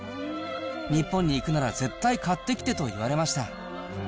日本に行くなら絶対買ってきてと言われました。